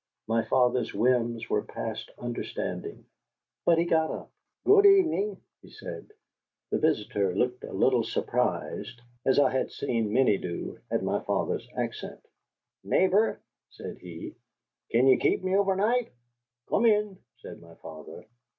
My father's whims were past understanding. But he got up. "Good evening," said he. The visitor looked a little surprised, as I had seen many do, at my father's accent. "Neighbor," said he, "kin you keep me over night?" "Come in," said my father.